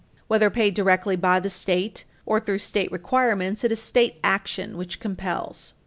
Whether paid directly by the state or through state requirements, it is state action which compels.